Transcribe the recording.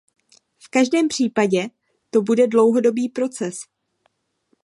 V každém případě to bude dlouhodobý proces.